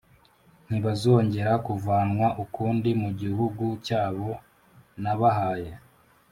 ntibazongera kuvanwa ukundi mu gihugu cyabo nabahaye.